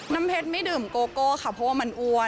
น้ำเพชรไม่ดื่มโกโก้ค่ะเพราะว่ามันอ้วน